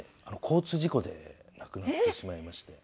交通事故で亡くなってしまいまして。